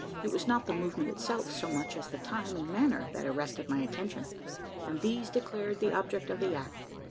It was not the movement itself, so much as the time and manner, that arrested my attention; and these declared the object of the act.